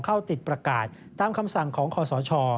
เข้าติดประกาศตามคำสั่งของคอสช